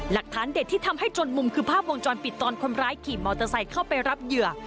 หลักฐานเด็ดที่ทำให้จนมุมคือภาพวงจรปิดตอนคนร้ายขี่มอเตอร์ไซค์เข้าไปรับเหยื่อ